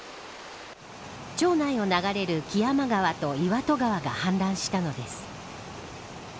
町内を流れる木山川と岩戸川が氾濫したのです。